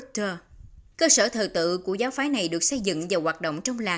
thu hút các nghi lễ